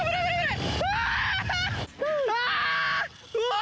うわ！